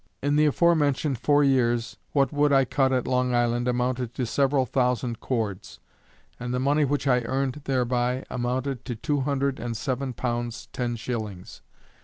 In the aforementioned four years what wood I cut at Long Island amounted to several thousand cords, and the money which I earned thereby amounted to two hundred and seven pounds ten shillings.